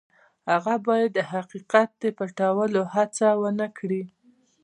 هغه باید د حقیقت د پټولو هڅه ونه کړي.